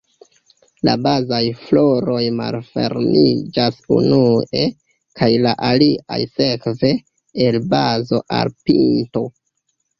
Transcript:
La bazaj floroj malfermiĝas unue, kaj la aliaj sekve, el bazo al pinto.